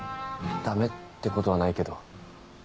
ダメってことはないけど。